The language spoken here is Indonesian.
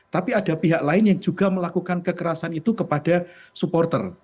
tapi ada pihak lain yang juga melakukan kekerasan itu kepada supporter